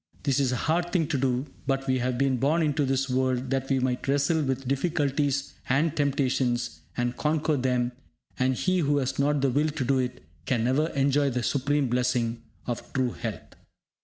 This is a hard thing to do, but we have been born into this world that we might wrestle with difficulties and temptations, and conquer them; and he who has not the will to do it can never enjoy the supreme blessing of true health.